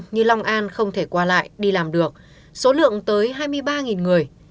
như long an không thể qua lại đi làm được số lượng tới hai mươi ba người